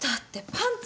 パンツ？